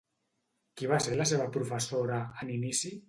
Qui va ser la seva professora, en inici?